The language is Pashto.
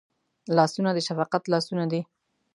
لاسونه د شفقت لاسونه دي